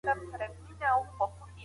ښه ذهنیت مو په ټولنه کي د منلو وړ ګرځوي.